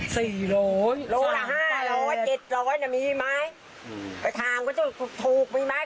สี่หลอยหล่อหลายหล่อเจ็บหลอยน่ะมีไหมเออโอเคถูกเห็นไหม